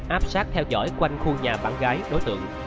áp sát theo dõi quanh khu nhà bạn gái đối tượng